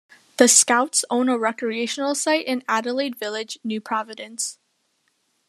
The Scouts own a recreational site in Adelaide Village, New Providence.